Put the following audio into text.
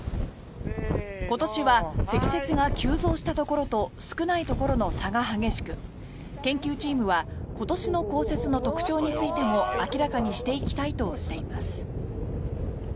今年は積雪が急増したところと少ないところの差が激しく研究チームは今年の降雪の特徴についても明らかにしていきたいとしています。